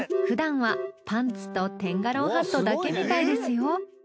ふだんはパンツとテンガロンハットだけみたいですよ。